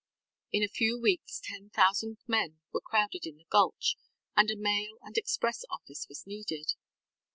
In a few weeks ten thousand men were crowded in the gulch, and a mail and express office was needed.